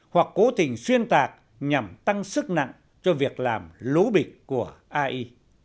hoặc cố tình xuyên tạc nhằm tăng sức nặng cho việc làm lố bịch của ai